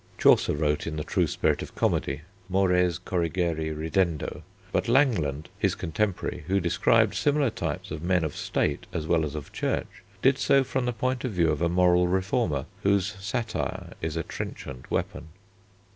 Chaucer wrote in the true spirit of comedy mores corrigere ridendo, but Langland, his contemporary, who described similar types of men of State as well as of Church, did so from the point of view of a moral reformer whose satire is a trenchant weapon.